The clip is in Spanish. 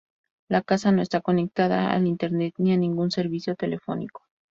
La casa no está conectada a Internet ni a ningún servicio telefónico.